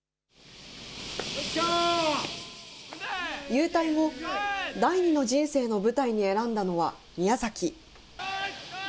勇退後、第二の人生の舞台に選んだのは宮崎。